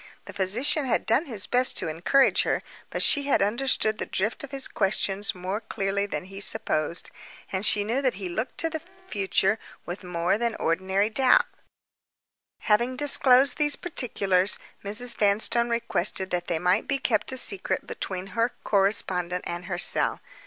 The physician had done his best to encourage her; but she had understood the drift of his questions more clearly than he supposed, and she knew that he looked to the future with more than ordinary doubt. Having disclosed these particulars, Mrs. Vanstone requested that they might be kept a secret between her correspondent and herself.